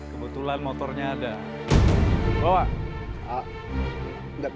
kebetulan motornya ada